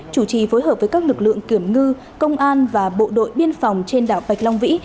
chủ trì phối hợp với các lực lượng kiểm ngư công an và bộ đội biên phòng trên đảo bạch long vĩ